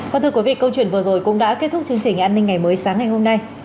và thưa quý vị câu chuyện vừa rồi cũng đã kết thúc chương trình an ninh ngày mới sáng ngày hôm nay